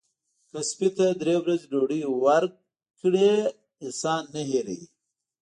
که سپي ته درې ورځې ډوډۍ ورکړه احسان نه هیروي.